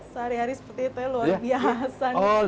sehari hari seperti itu ya luar biasa